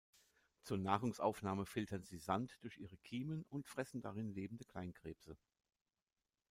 Zur Nahrungsaufnahme filtern sie Sand durch ihre Kiemen, und fressen darin lebende Kleinkrebse.